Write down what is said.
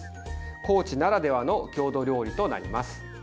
高知ならではの郷土料理となります。